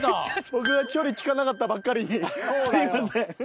僕が距離聞かなかったばっかりにすいません。